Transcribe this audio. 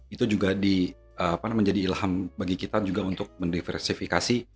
itu juga menjadi ilham bagi kita juga untuk mendiversifikasi